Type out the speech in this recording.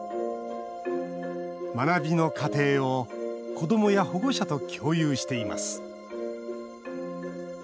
学びの過程を子どもや保護者と共有しています